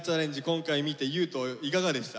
今回見て優斗いかがでした？